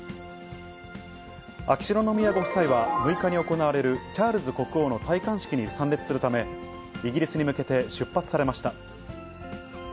秋篠宮ご夫妻は、６日に行われるチャールズ国王の戴冠式に参列するため、イギリスに向けて出発されました。